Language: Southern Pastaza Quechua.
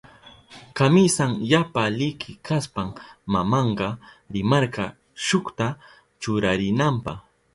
Kamisan yapa liki kashpan mamanka rimarka shukta churarinanpa.